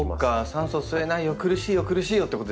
酸素が吸えないよ苦しいよ苦しいよってことですよね。